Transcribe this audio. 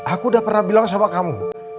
aku udah pernah bilang sama kamu